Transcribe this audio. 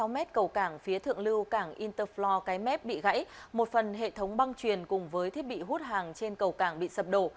sáu mét cầu cảng phía thượng lưu cảng interfloor cái mép bị gãy một phần hệ thống băng truyền cùng với thiết bị hút hàng trên cầu cảng bị sập đổ